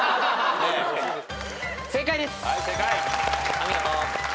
お見事。